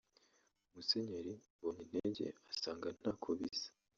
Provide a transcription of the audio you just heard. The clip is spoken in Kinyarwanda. Musenyeri Mbonyintege asanga ntako bisa